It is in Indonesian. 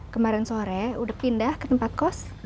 kemarin sore udah pindah ke tempat kos